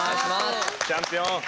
チャンピオン。